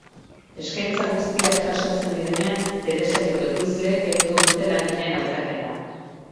Eskaintza guztiak jasotzen direnean, telesaileko ekoizleek egingo dute langileen hautaketa.